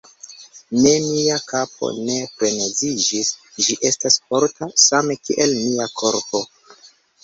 Ne, mia kapo ne freneziĝis: ĝi estas forta, same kiel mia korpo.